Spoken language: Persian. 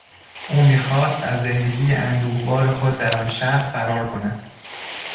او میخواست از زندگی اندوهبار خود در آن شهر فرار کند.